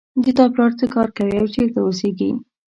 د تا پلار څه کار کوي او چېرته اوسیږي